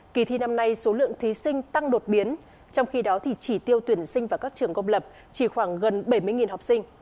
kỳ thi năm nay số lượng thí sinh tăng đột biến trong khi đó thì chỉ tiêu tuyển sinh vào các trường công lập chỉ khoảng gần bảy mươi học sinh